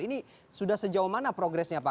ini sudah sejauh mana progresnya pak